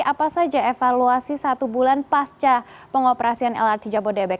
apa saja evaluasi satu bulan pasca pengoperasian lrt jabodebek